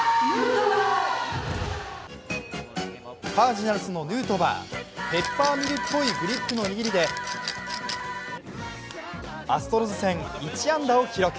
カージナルスのヌートバーペッパーミルっぽいグリップの握りで、アストロズ戦１安打を記録。